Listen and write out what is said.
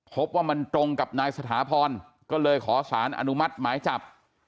พบว่ามันตรงกับนายสถาพรก็เลยขอสารอนุมัติหมายจับ